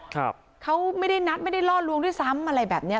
ครับเขาไม่ได้นัดไม่ได้ล่อลวงด้วยซ้ำอะไรแบบเนี้ย